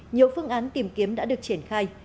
nhiều phương án tìm kiếm đã được triển khai